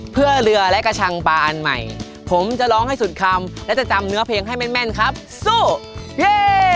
เพื่อเรือและกระชังปลาอันใหม่ผมจะร้องให้สุดคำและจะจำเนื้อเพลงให้แม่นครับสู้เฮ่